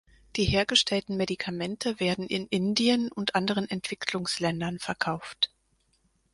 Die hergestellten Medikamente werden in Indien und anderen Entwicklungsländern verkauft.